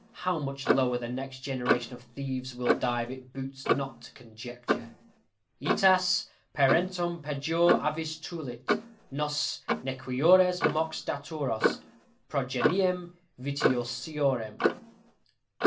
How much lower the next generation of thieves will dive it boots not to conjecture: Ætas parentum pejor avis tulit, Nos nequiores; mox daturos, Progeniem vitiosiorem.